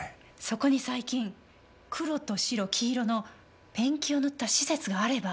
そこに最近黒と白黄色のペンキを塗った施設があれば。